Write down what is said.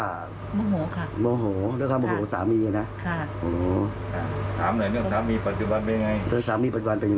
ยอมรับผิดค่ะแล้วก็น้อยใจแค่นั้นเอง